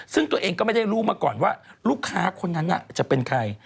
ซึ่งตัวเองก็ไม่ได้รู้มาก่อนว่าลูกค้าคนนั้นจะเป็นใคร